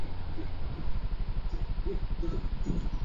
其后辈中亦名人辈出。